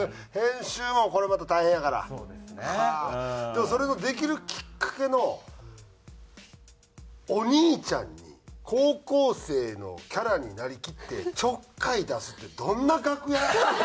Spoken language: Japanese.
でもそれのできるきっかけのお兄ちゃんに高校生のキャラになりきってちょっかい出すってどんな楽屋？